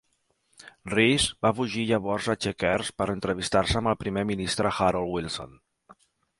Rees va fugir llavors a Chequers per entrevistar-se amb el primer ministre Harold Wilson.